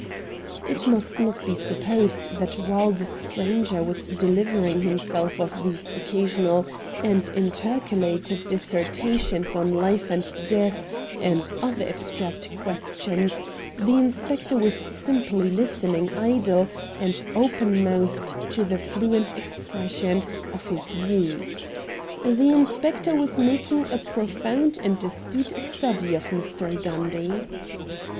It must not be supposed that while the stranger was dehvering himself of these occa sional and intercalated dissertations on life and death and other abstract questions, the inspector was simply listening idle and open mouthed to the fluent expression of his views. The inspector was making a pro found and astute study of Mr. Gundy.